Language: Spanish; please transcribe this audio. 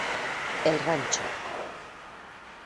El Rancho.